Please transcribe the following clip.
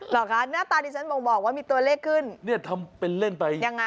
เหรอคะหน้าตาดิฉันบ่งบอกว่ามีตัวเลขขึ้นเนี่ยทำเป็นเล่นไปยังไง